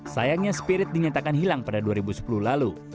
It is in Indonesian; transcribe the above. sayangnya spirit dinyatakan hilang pada dua ribu sepuluh lalu